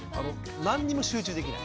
何にも集中できない。